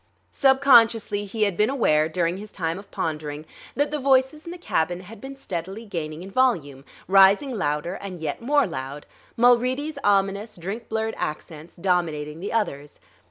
Subconsciously he had been aware, during his time of pondering, that the voices in the cabin had been steadily gaining in volume, rising louder and yet more loud, Mulready's ominous, drink blurred accents dominating the others.